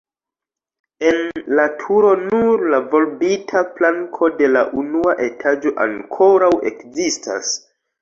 En la turo nur la volbita planko de la unua etaĝo ankoraŭ ekzistas.